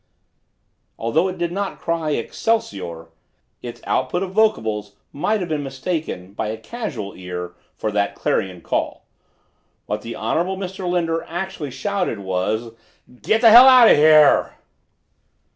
Although it did not cry "Excelsior," its output of vocables might have been mistaken, by a casual ear, for that clarion call. What the Honorable Mr. Linder actually shouted was: "Getthehelloutofhere!"